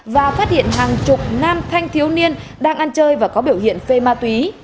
và phát hiện hàng chục nam thanh thiếu niên đang ăn chơi và có biểu hiện phê ma túy